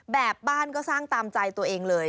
แบบบ้านก็สร้างตามใจตัวเองเลย